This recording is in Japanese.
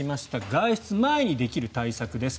外出前にできる対策です。